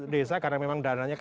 desa karena memang dananya